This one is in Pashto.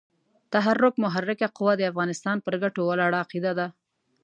تحرک محرکه قوه د افغانستان پر ګټو ولاړه عقیده ده.